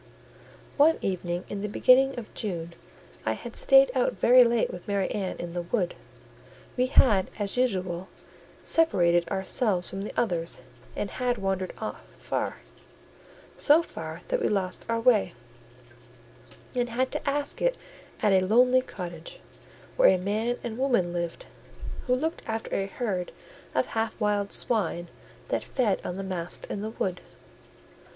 One evening, in the beginning of June, I had stayed out very late with Mary Ann in the wood; we had, as usual, separated ourselves from the others, and had wandered far; so far that we lost our way, and had to ask it at a lonely cottage, where a man and woman lived, who looked after a herd of half wild swine that fed on the mast in the wood.